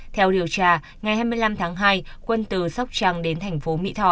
theo điều tra ngày hai mươi năm tháng hai quân từ sóc trăng đến tp mỹ thò